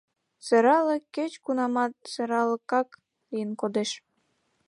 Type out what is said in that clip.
Сӧраллык кеч-кунамат сӧраллыкак лийын кодеш.